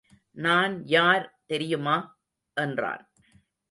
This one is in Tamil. நான் யார் என்பது தெரியுமா? என்றான்.